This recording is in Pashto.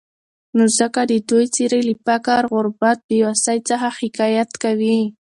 نو ځکه د دوي څېرې له فقر، غربت ، بېوسي، څخه حکايت کوي.